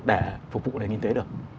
để phục vụ cái kinh tế được